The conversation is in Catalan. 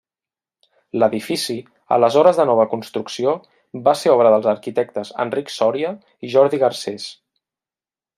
L'edifici, aleshores de nova construcció, va ser obra dels arquitectes Enric Sòria i Jordi Garcés.